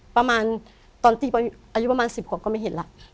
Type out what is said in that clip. ประมาณตอนตีอายุประมาณ๑๐กว่าก็ไม่เห็นแล้ว